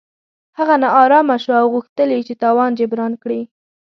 هغه نا ارامه شو او غوښتل یې چې تاوان جبران کړي.